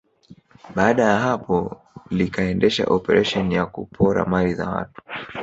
Baada ya hapo likaendesha operesheni ya kupora mali za watu